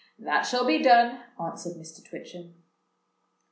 "That shall be done," answered Mr. Twitchem.